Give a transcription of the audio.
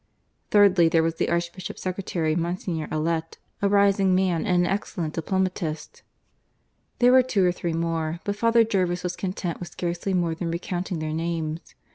Thirdly there was the Archbishop's secretary Monsignor Allet a rising man and an excellent diplomatist. There were two or three more, but Father Jervis was content with scarcely more than recounting their names.